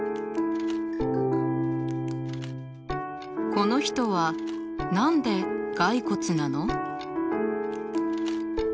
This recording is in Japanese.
この人は何で骸骨なの？